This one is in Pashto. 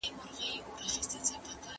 ¬ گيدړي ته خپله لکۍ بلا سوه.